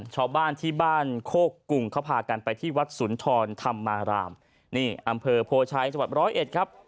ชาวบ้านที่บ้านโคกกุงเขาพากันไปที่วัดสุนทรธรรมารามนี่อำเภอโพชัยจังหวัดร้อยเอ็ดครับ